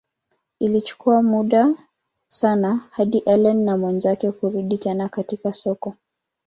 Ilichukua muda sana hadi Ellen na mwenzake kurudi tena katika soko.